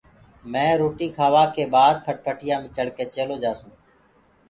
مي روٽيٚ کآوآ ڪي بآد ڦٽَڦٽِيآ مي چڙه ڪي چيلو جآسونٚ